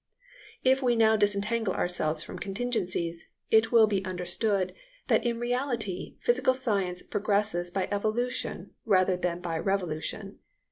If we now disentangle ourselves from contingencies, it will be understood that in reality physical science progresses by evolution rather than by revolution.